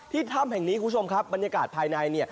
ถ้ำแห่งนี้คุณผู้ชมครับบรรยากาศภายใน